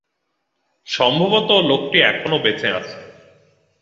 সম্ভবত লোকটি এখনও বেঁচে আছে।